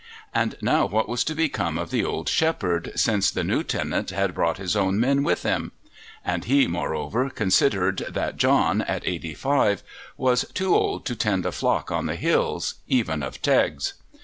And now what was to become of the old shepherd, since the new tenant had brought his own men with him? and he, moreover, considered that John, at eighty five, was too old to tend a flock on the hills, even of tegs.